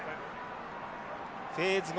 フェーズ５。